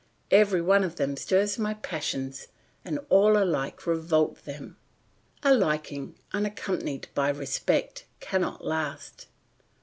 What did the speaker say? Every one of them stirs my passions and all alike revolt them; a liking unaccompanied by respect cannot last.